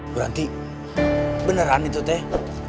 bu ranti beneran itu teh